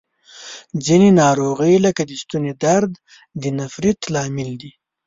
ځینې ناروغۍ لکه د ستوني درد د نفریت لامل دي.